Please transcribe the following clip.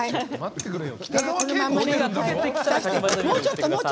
もうちょっと。